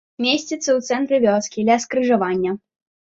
Месціцца ў цэнтры вёскі, ля скрыжавання.